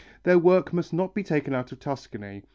Their work must not be taken out of Tuscany.